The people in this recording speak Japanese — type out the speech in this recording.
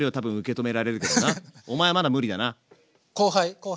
後輩？